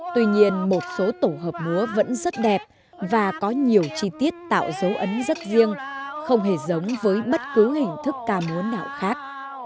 tuy nhiên một số tổ hợp múa vẫn rất đẹp và có nhiều chi tiết tạo dấu ấn rất riêng không hề giống với bất cứ hình thức ca múa nào khác